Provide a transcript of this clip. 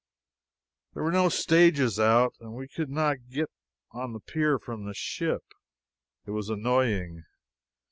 ] There were no stages out, and we could not get on the pier from the ship. It was annoying.